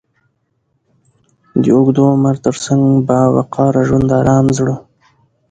د اوږد عمر تر څنګ، با وقاره ژوند، ارام زړه،